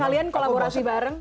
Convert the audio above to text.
kalian kolaborasi bareng